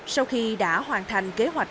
sau khi đã hoàn thành kế hoạch